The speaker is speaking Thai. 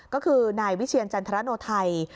ก็คือนายวิเชียรจันทรโนไทย